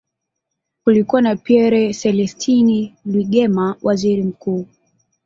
Kulikuwa na Pierre Celestin Rwigema, waziri mkuu.